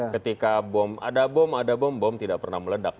ketika bom ada bom ada bom bom tidak pernah meledak